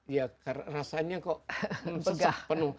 ya rasanya kok segar